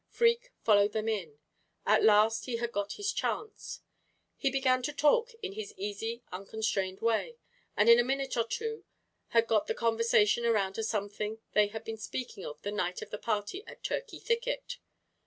Freke followed them in. At last he had got his chance. He began to talk in his easy, unconstrained way, and in a minute or two had got the conversation around to something they had been speaking of the night of the party at Turkey Thicket.